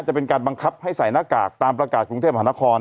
จะเป็นการบังคับให้ใส่หน้ากากตามประกาศกรุงเทพมหานคร